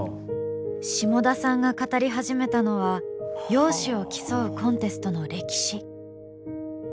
霜田さんが語り始めたのは容姿を競うコンテストの歴史。